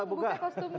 wah ini ada